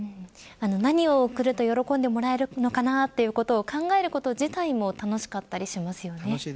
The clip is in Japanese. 何を贈ると喜んでもらえるのかなということを考えること自体も楽しかったりしますよね。